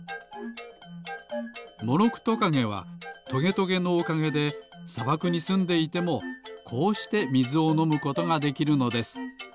モロクトカゲはトゲトゲのおかげでさばくにすんでいてもこうしてみずをのむことができるのです。